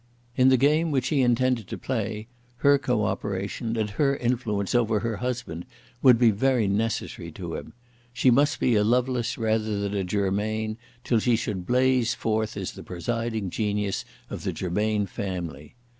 In the game which he intended to play her co operation and her influence over her husband would be very necessary to him. She must be a Lovelace rather than a Germain till she should blaze forth as the presiding genius of the Germain family.